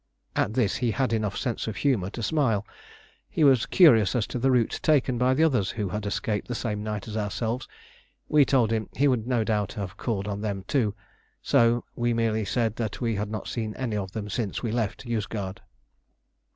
At this he had enough sense of humour to smile. He was curious as to the route taken by the others who had escaped the same night as ourselves: had we told him he would no doubt have called on them too, so we merely said we had not seen any of them since we left Yozgad.